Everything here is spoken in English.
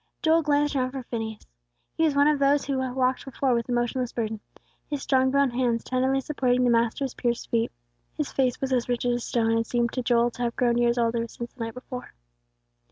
Joel glanced around for Phineas. He was one of those who walked before with the motionless burden, his strong brown hands tenderly supporting the Master's pierced feet; his face was as rigid as stone, and seemed to Joel to have grown years older since the night before.